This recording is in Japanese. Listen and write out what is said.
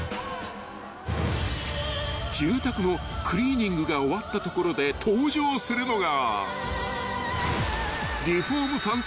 ［住宅のクリーニングが終わったところで登場するのが］